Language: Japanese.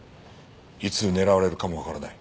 いつ狙われるかもわからない。